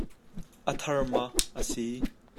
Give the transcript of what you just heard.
A thar ma a si?